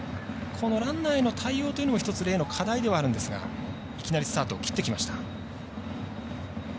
このランナーへの対応というのもレイの課題ではあるんですがいきなりスタートを切ってきました。